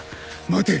待て。